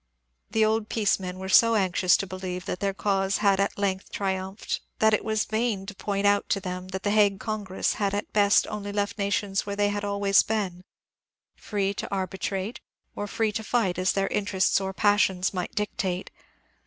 The old peace men were so anxious to believe that their cause had at length triumphed that it was vain to point out to them that the Hague Congress had at best only left nations where they had always been — free to arbitrate or free to fight as their interests or passions might dictate.